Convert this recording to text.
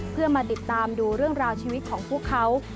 เพื่อมาติดตามดูเรื่องราวชีวิตของพวกเขา